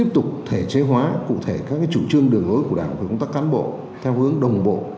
thể chế hóa cụ thể các chủ trương đường hối của đảng và công tác cán bộ theo hướng đồng bộ